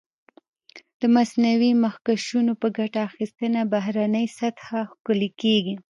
د مصنوعي مخکشونو په ګټه اخیستنه بهرنۍ سطحه ښکلې کېږي.